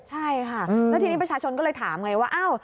ใช่ค่ะแล้วทีนี้ประชาชนก็เลยถามไงว่าอ้าว